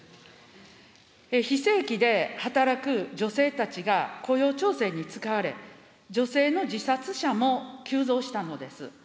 非正規で働く女性たちが雇用調整に使われ、女性の自殺者も急増したのです。